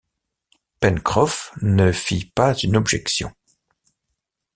Pencroff ne fit pas une objection